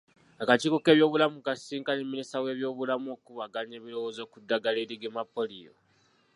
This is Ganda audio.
Akakiiko k'ebyobulamu kaasisinkanye Minisita w'ebyobulamu okukubaganya ebirowoozo ku ddagala erigema ppooliyo.